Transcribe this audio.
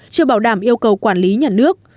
chưa bảo đảm yêu cầu quản lý nhà nước